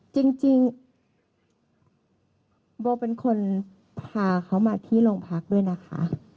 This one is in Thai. จริงโบเป็นคนพาเขามาที่โรงพักด้วยนะคะ